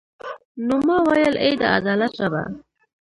نو ما ویل ای د عدالت ربه.